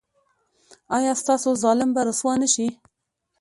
ایا ستاسو ظالم به رسوا نه شي؟